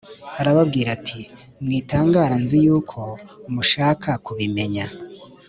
Arababwira ati mwitangara nzi yuko mushaka kubimenya